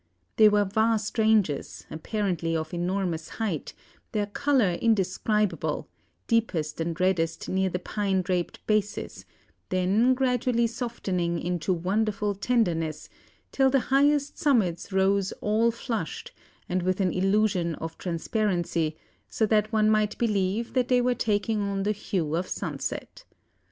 They were vast ranges, apparently of enormous height, their colour indescribable, deepest and reddest near the pine draped bases, then gradually softening into wonderful tenderness, till the highest summits rose all flushed, and with an illusion of transparency, so that one might believe that they were taking on the hue of sunset.